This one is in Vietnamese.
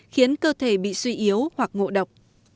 khiến cơ thể bị suy yếu hoặc ngộ độc